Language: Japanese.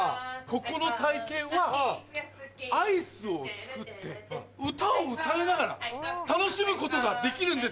ここの体験はアイスを作って歌を歌いながら楽しむことができるんですよ！